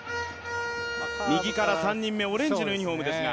右から３人目、オレンジのユニフォームですが。